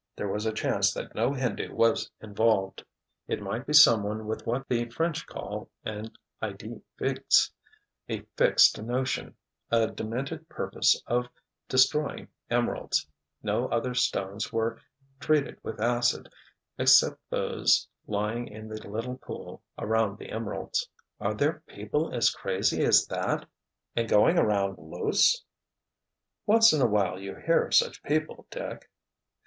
There was a chance that no Hindu was involved. It might be someone with what the French call an idee fixee—a fixed notion—a demented purpose of destroying emeralds—no other stones were treated with acid except those lying in the little pool around the emeralds." "Are there people as crazy as that? And going around, loose?" "Once in awhile you hear of such people, Dick."